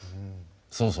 そうそう。